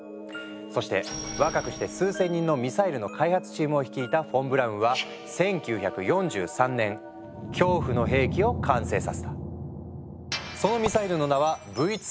そして若くして数千人のミサイルの開発チームを率いたフォン・ブラウンは１９４３年恐怖の兵器を完成させた。